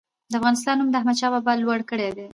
د افغانستان نوم د احمدشاه بابا لوړ کړی دی.